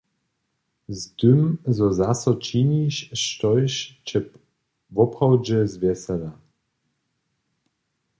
»Z tym zo zaso činiš, štož će woprawdźe zwjesela.